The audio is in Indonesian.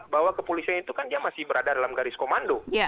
bahwa kepolisian itu kan dia masih berada dalam garis komando